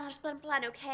harus pelan pelan oke